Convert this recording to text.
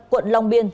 quận long biên